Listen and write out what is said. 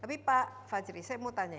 tapi pak fajri saya mau tanya